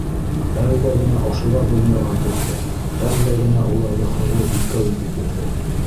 Әлдә генә ошолар донъяға тыуҙы, әлдә генә уларҙы Хоҙай икәү итеп бирҙе!